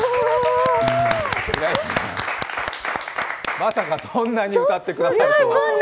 まさかそんなに歌ってくださるとは。